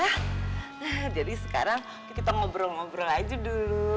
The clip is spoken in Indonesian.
nah jadi sekarang kita ngobrol ngobrol aja dulu